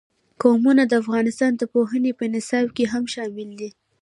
قومونه د افغانستان د پوهنې په نصاب کې هم شامل دي.